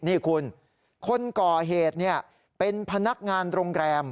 นี่คุณคนก่อเหตุเป็นพนักงานโรงแรม